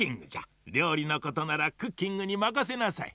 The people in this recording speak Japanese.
りょうりのことならクッキングにまかせなさい。